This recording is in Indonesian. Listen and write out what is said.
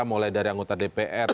mulai dari anggota dpr